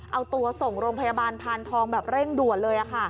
เอาตัวส่งโรงพยาบาลพานทองแบบเร่งด่วนเลย